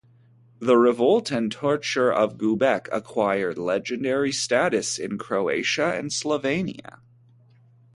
The revolt and torture of Gubec acquired legendary status in Croatia and Slovenia.